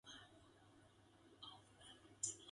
Grave goods included pottery and stone battle-axes.